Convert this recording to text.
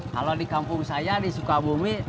kalau di kampung saya di sukabumi